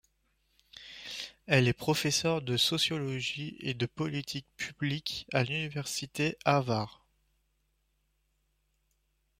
Elle est professeure de sociologie et de politique publique à l'université Harvard.